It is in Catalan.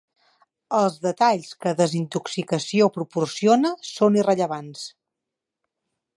Els detalls que ‘Desintoxicació’ proporciona són irrellevants.